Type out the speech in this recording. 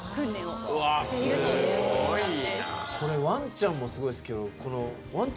これワンちゃんもすごいですけど。